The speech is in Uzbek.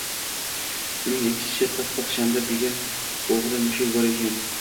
Uning aytishicha, Pixpix Chandr degan o‘g‘ri mushuk bor ekan